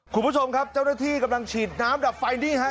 คุณผู้ชมครับเจ้าหน้าที่กำลังฉีดน้ำดับไฟนี่ฮะ